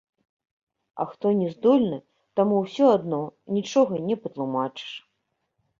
А хто не здольны, таму ўсё адно нічога не патлумачыш.